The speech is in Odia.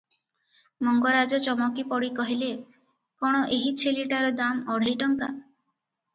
ମଙ୍ଗରାଜ ଚମକିପଡ଼ି କହିଲେ, "କଣ ଏହି ଛେଳିଟାର ଦାମ ଅଢ଼େଇ ଟଙ୍କା ।